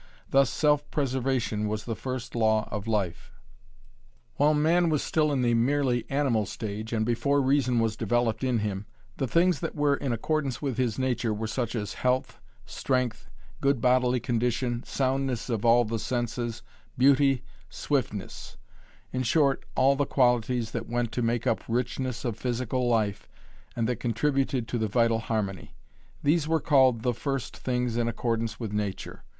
Thus self preservation was the first law of life. While man was still in the merely animal stage, and before reason was developed in him, the things that were in accordance with his nature were such as health, strength, good bodily condition, soundness of all the senses, beauty, swiftness in short all the qualities that went to make up richness of physical life and that contributed to the vital harmony. These were called the first things in accordance with nature.